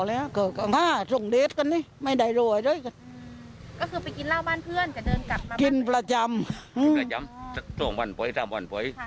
แล้วทำไมถึงเดินถนนก็กว้างอยู่นะ